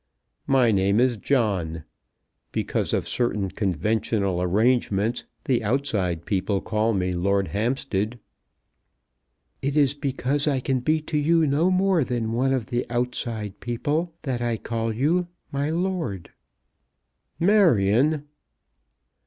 My name is John. Because of certain conventional arrangements the outside people call me Lord Hampstead." "It is because I can be to you no more than one of the outside people that I call you my lord." "Marion!"